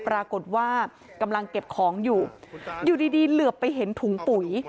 ปรากฏว่ากำลังเก็บของอยู่อยู่ดีดีเหลือไปเห็นถุงปุ๋ย